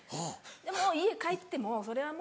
でもう家帰ってもうそれはもう。